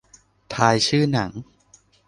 ทายชื่อหนัง